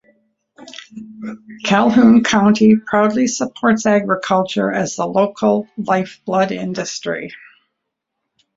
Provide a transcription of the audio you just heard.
Calhoun County proudly supports agriculture as the local lifeblood industry.